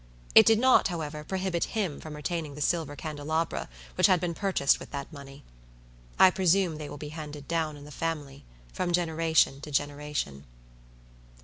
It did not, however, prohibit him from retaining the silver candelabra, which had been purchased with that money. I presume they will be handed down in the family, from generation to generation.